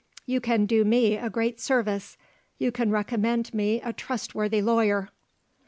You can do me a great service you can recommend me a trustworthy lawyer."